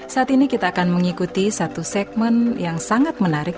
saat ini kita akan mengikuti satu segmen yang sangat menarik